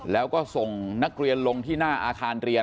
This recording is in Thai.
แล้วก็ส่งนักเรียนลงที่หน้าอาคารเรียน